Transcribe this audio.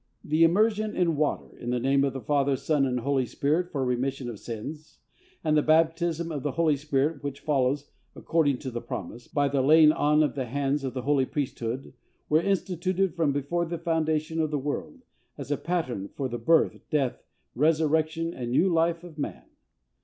The immersion in water, in the name of the Father, Son, and Holy Spirit, for remission of sins; and the baptism of the Holy Spirit, which follows according to promise, by the laying on of the hands of the holy Priesthood; were instituted from before the foundation of the world, as a pattern of the birth, death, resurrection and new life of man.